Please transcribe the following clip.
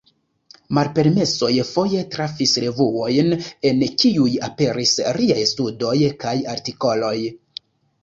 Malpermesoj foje trafis revuojn, en kiuj aperis liaj studoj kaj artikoloj.